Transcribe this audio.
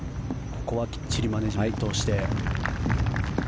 ここはきっちりマネジメントをして。